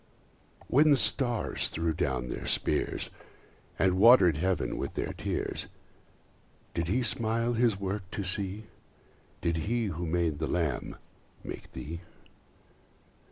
When the stars threw down their spears, And water'd heaven with their tears, Did he smile his work to see? Did he who made the Lamb make thee?